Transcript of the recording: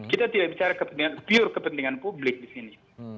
kita tidak bicara pure kepentingan publik disini